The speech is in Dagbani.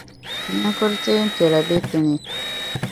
Niŋkur’ teempiɛla be ti ni.